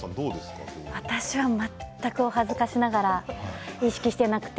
私は全くお恥ずかしながら意識していなくて。